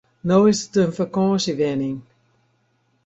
No is it in fakânsjewenning.